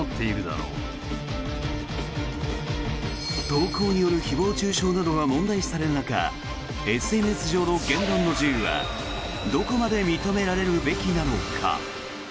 投稿による誹謗・中傷などが問題視される中ＳＮＳ上の言論の自由はどこまで認められるべきなのか。